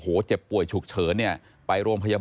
พบหน้าลูกแบบเป็นร่างไร้วิญญาณ